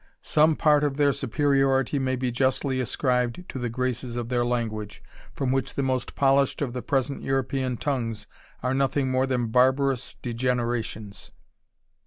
Some part of ;heir superiority may be justly ascribed lo the graces of their language, from which the most polished of the present European tongues are nothing more than barbarous de generations.